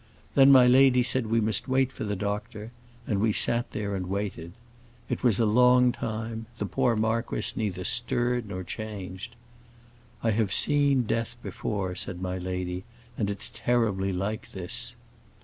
Then my lady said we must wait for the doctor, and we sat there and waited. It was a long time; the poor marquis neither stirred nor changed. 'I have seen death before,' said my lady, 'and it's terribly like this.